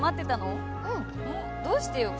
どうしてよ？